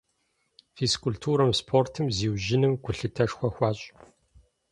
Физкультурэм, спортым зиужьыным гулъытэшхуэ хуащӀ.